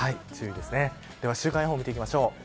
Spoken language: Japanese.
では週間予報を見ていきましょう。